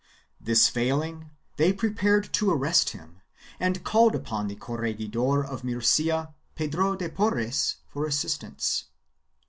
This failing, they prepared to arrest him and called upon the corregidor of Murcia, Pedro de Porres, for assistance.